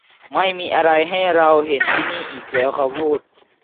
ไม่มีอะไรให้เราเห็นที่นี่อีกแล้วเขาพูด